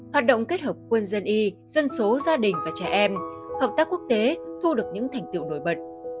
hoạt động kết hợp quân dân y dân số gia đình và trẻ em hợp tác quốc tế thu được những thành tiệu nổi bật